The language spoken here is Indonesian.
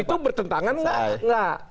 itu bertentangan nggak